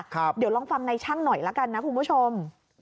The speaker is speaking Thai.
เดี๋ยวลองฟังในช่างหน่อยละกันนะคุณผู้ชม